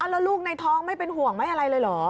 แล้วลูกในท้องไม่เป็นห่วงไม่อะไรเลยเหรอ